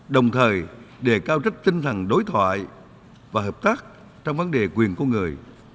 đồng thời để cao trách tinh thần đối thoại và hợp tác trong vấn đề quyền của người